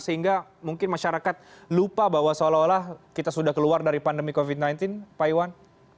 sehingga mungkin masyarakat lupa bahwa seolah olah kita sudah keluar dari pandemi covid sembilan belas pak iwan